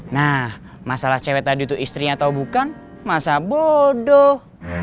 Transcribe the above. nah masalah cewek tadi itu istrinya atau bukan masa bodoh